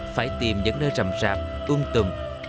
phải tìm những nơi rầm rạp ung tùm